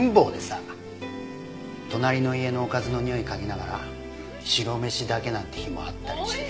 さ隣の家のおかずのにおい嗅ぎながら白飯だけなんて日もあったりして。